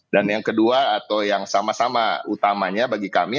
dan yang kedua atau yang sama sama utamanya bagi kami